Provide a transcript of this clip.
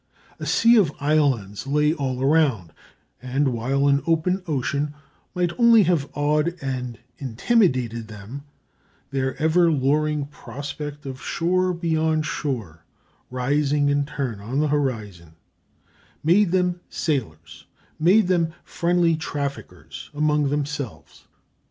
A sea of islands lay all around; and while an open ocean might only have awed and intimidated them, this ever luring prospect of shore beyond shore rising in turn on the horizon made them sailors, made them friendly traffickers among themselves.